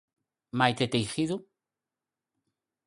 Maite Teijido?